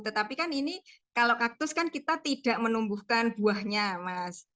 tetapi kan ini kalau kaktus kan kita tidak menumbuhkan buahnya mas